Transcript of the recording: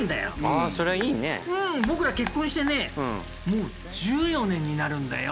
うん僕ら結婚してねもう１４年になるんだよ。